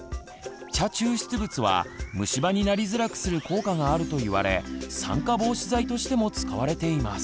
チャ抽出物は虫歯になりづらくする効果があると言われ酸化防止剤としても使われています。